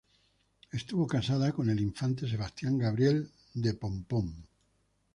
Estuvo casada con el infante Sebastián Gabriel de Borbón.